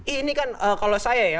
ini kan kalau saya ya